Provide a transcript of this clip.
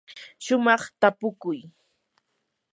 shumaq tapukuy.